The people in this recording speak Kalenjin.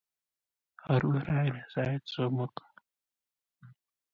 Arue raini sait somok